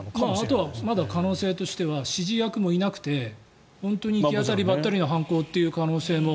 あとはまだ可能性としては指示役もいなくて本当に行き当たりばったりの犯行という可能性も。